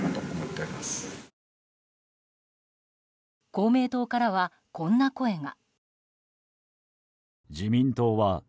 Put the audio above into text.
公明党からは、こんな声が。